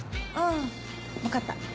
ああわかった！